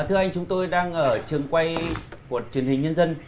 thưa anh chúng tôi đang ở trường quay của truyền hình nhân dân